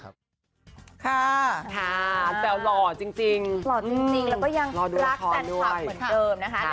หล่อจริงแล้วก็ยังรักแฟนคลับเหมือนเดิมนะคะ